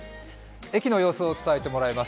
駅の様子を伝えてもらいます。